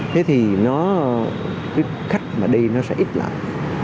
thế thì nó cái khách mà đi nó sẽ ít lại